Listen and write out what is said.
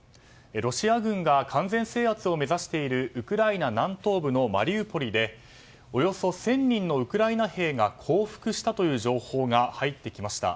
ロシア軍が完全制圧を目指しているウクライナ南東部のマリウポリでおよそ１０００人のウクライナ兵が降伏したという情報が入ってきました。